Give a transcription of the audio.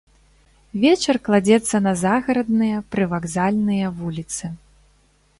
Вечар кладзецца на загарадныя, прывакзальныя вуліцы.